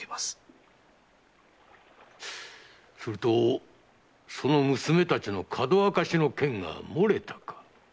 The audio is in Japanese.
するとその娘たちのかどわかしの件がもれたか？